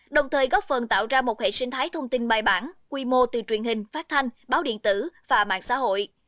đồng thời góp phần tạo ra một hệ sinh thái thông tin bài bản quy mô từ truyền hình phát thanh báo điện tử và mạng xã hội